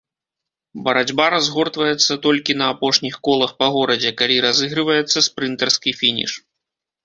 Барацьба разгортваецца толькі на апошніх колах па горадзе, калі разыгрываецца спрынтарскі фініш.